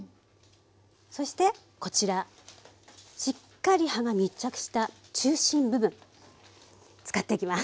そしてこちらしっかり葉が密着した中心部分使っていきます。